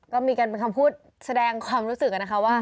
ก็มีการเป็นคำพูดแสดงความรู้สึกนะคะว่า